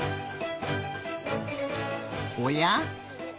おや？